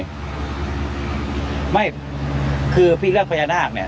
ไม่คือพี่เรื่องพญานาคเนี่ย